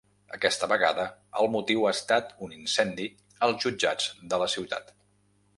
Aquesta vegada el motiu ha estat un incendi als jutjats de la ciutat.